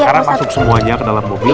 sekarang masuk semuanya ke dalam mobil